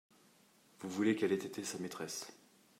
Vous voulez qu’elle ait été sa maîtresse.